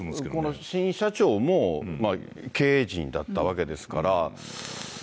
この新社長も経営陣だったわけですから。